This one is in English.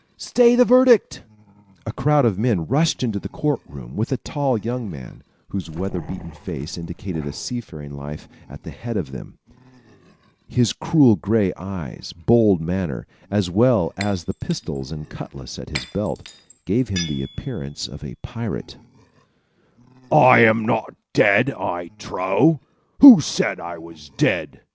stay your verdict!" A crowd of men rushed into the court room with a tall young man, whose weather beaten face indicated a seafaring life, at the head of them. His cruel gray eyes, bold manner, as well as the pistols and cutlass at his belt, gave him the appearance of a pirate. "I am not dead, I trow! Who said I was dead?"